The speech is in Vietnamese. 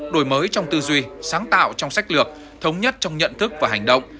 đổi mới trong tư duy sáng tạo trong sách lược thống nhất trong nhận thức và hành động